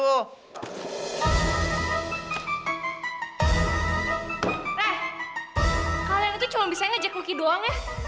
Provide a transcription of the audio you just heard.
eh kalian itu cuma bisa ngajak lucky doang ya